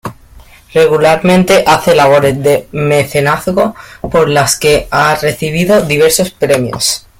Regularmente hace labores de mecenazgo, por las que ha recibido diversos premios.